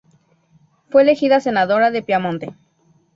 Fue elegida senadora en Piamonte.